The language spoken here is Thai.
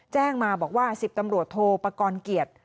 แจ้งมาบอกว่า๑๐ตำรวจโทรประกอบเกียจ